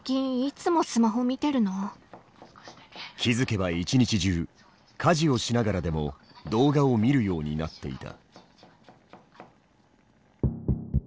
気付けば一日中家事をしながらでも動画を見るようになっていた。